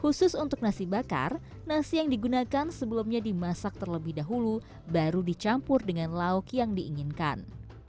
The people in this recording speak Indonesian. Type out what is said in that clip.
khusus untuk nasi bakar nasi yang digunakan sebelumnya dimasak terlebih dahulu baru dicampur dengan lauk yang diinginkan